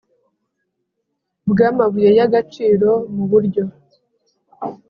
Bw amabuye y agaciro mu buryo